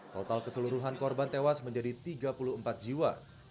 total keseluruhan korban tewas menjadi tiga puluh empat jiwa